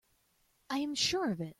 I am sure of it.